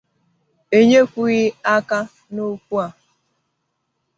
enyekwughị aka n’okwu a